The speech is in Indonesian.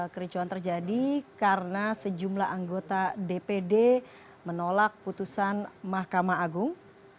kericuan terjadi karena sejumlah anggota dpd menolak putusan mahkamah agung